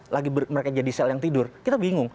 lagi mereka jadi sel yang tidur kita bingung